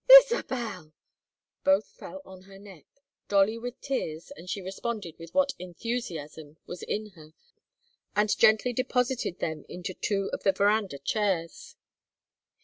"Isabel!" Both fell on her neck, Dolly with tears, and she responded with what enthusiasm was in her, and gently deposited them into two of the veranda chairs.